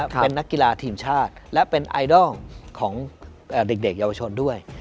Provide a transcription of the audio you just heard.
เป็นนักกีฬาทีมชาติและเป็นไอดอลของเด็กเยาวชนด้วย